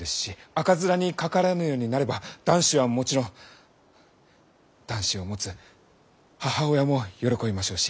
赤面にかからぬようになれば男子はもちろん男子を持つ母親も喜びましょうし。